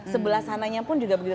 sebelah sananya pun juga begitu